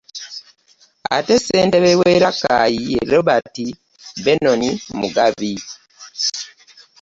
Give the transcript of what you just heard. Ate Ssentebe w'e Rakai, ye Robert Benon Mugabi